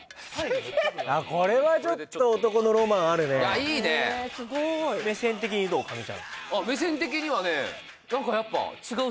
これはちょっと男のロマンあるねいいねすごい目線的にどう？